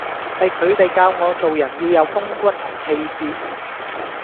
係佢哋教我做人要有風骨同氣節⠀